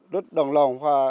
rất đồng lòng với bà con